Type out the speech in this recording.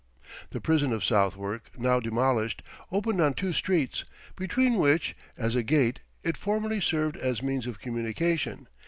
The prison of Southwark, now demolished, opened on two streets, between which, as a gate, it formerly served as means of communication.